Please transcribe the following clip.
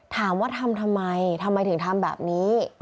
ถามว่าทำทำไมทำไมถึงทำแบบนี้